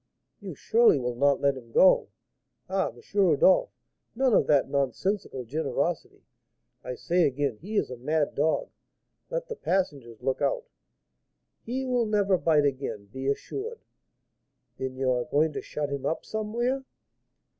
"You surely will not let him go! Ah, M. Rodolph, none of that nonsensical generosity! I say again, he is a mad dog, let the passengers look out!" "He will never bite again, be assured." "Then you are going to shut him up somewhere?"